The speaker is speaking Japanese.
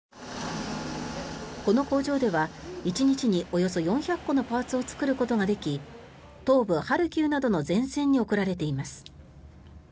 この工場では１日におよそ４００個のパーツを作ることができ東部ハルキウなどの前線に送られています。